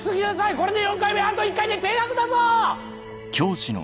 これで４回目あと１回で停学だぞ！